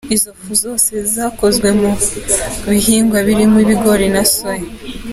Izo fu zose zakozwe mu bihingwa birimo Ibigori na Soya.